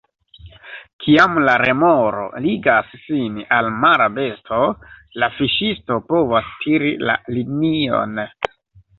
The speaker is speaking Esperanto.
Kiam la remoro ligas sin al mara besto, la fiŝisto povas tiri la linion.